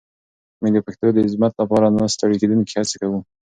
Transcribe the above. موږ د پښتو د عظمت لپاره نه ستړې کېدونکې هڅې کوو.